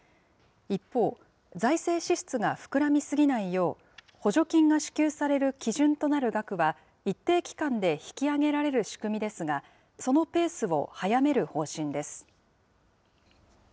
一方、財政支出が膨らみ過ぎないよう、補助金が支給される基準となる額は一定期間で引き上げられる仕組みですが、そのペースを早める方針です。